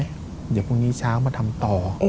เดี๋ยวพรุ่งนี้เช้ามาทำต่อ